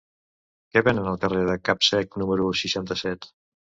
Què venen al carrer de Capsec número seixanta-set?